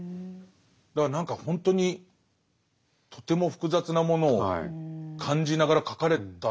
だから何かほんとにとても複雑なものを感じながら書かれたんでしょうね。